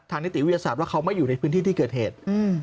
นิติวิทยาศาสตร์ว่าเขาไม่อยู่ในพื้นที่ที่เกิดเหตุ